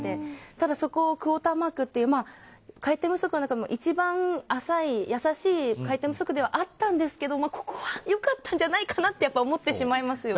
ただそこをクオーターマークという回転不足の中でも一番浅い回転不足ではあったんですけどここは、よかったんじゃないかなと思ってしまいましたよね。